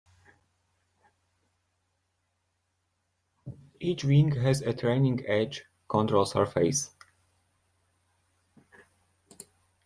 Each wing has a trailing-edge control surface.